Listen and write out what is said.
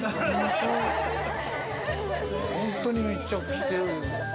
本当に密着してる。